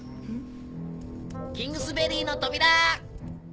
キングスベリーの扉！